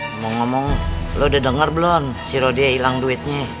ngomong ngomong lo udah denger belum si rode hilang duitnya